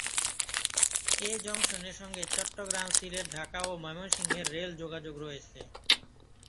এ জংশনের সঙ্গে চট্টগ্রাম, সিলেট, ঢাকা ও ময়মনসিংহের রেলযোগাযোগ রয়েছে।